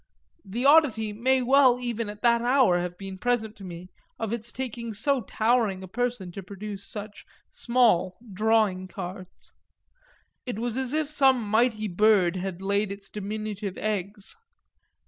The oddity may well even at that hour have been present to me of its taking so towering a person to produce such small "drawing cards"; it was as if some mighty bird had laid diminutive eggs.